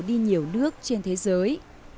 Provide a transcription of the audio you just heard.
đi nhiều nước trên thế giới